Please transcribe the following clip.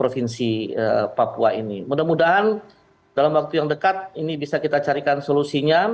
jadi kita akan mencari solusinya